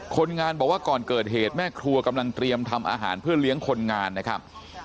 คนงานบอกว่าก่อนเกิดเหตุแม่ครัวกำลังเตรียมทำอาหารเพื่อเลี้ยงคนงานนะครับ